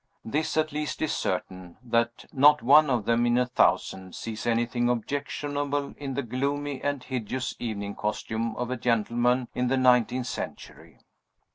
This at least is certain, that not one of them in a thousand sees anything objectionable in the gloomy and hideous evening costume of a gentleman in the nineteenth century.